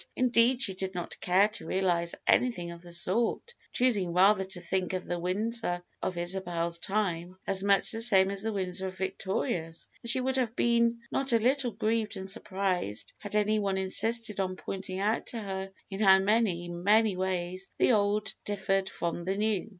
Indeed, she did not care to realize anything of the sort, choosing, rather, to think of the Windsor of Isabel's time as much the same as the Windsor of Victoria's, and she would have been not a little grieved and surprised had any one insisted on pointing out to her in how many, many ways the old differed from the new.